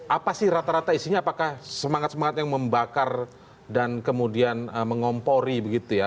apa sih rata rata isinya apakah semangat semangat yang membakar dan kemudian mengompori begitu ya